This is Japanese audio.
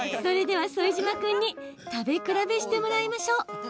それでは副島君に食べ比べしてもらいましょう。